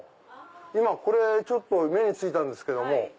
これ目に付いたんですけども。